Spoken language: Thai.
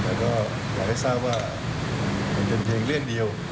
แต่ก็อยากให้ทราบว่าเป็นเป็นเพลงเลี่ยนเดียว